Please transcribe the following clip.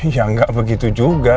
ya enggak begitu juga